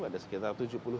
ada sekitar tujuh puluh